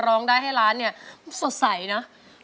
ร้องได้ให้ล้านเนี่ยสดใสนะ